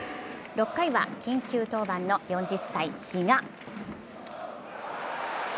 ６回は緊急登板の４０歳・比嘉。